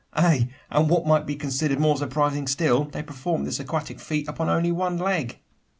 Ay, and, what might be considered more surprising still, they performed this aquatic feat upon only one leg!